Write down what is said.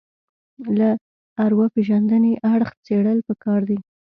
له ارواپېژندنې اړخ څېړل پکار دي